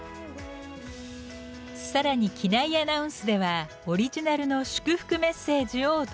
さらに機内アナウンスではオリジナルの祝福メッセージをお届け！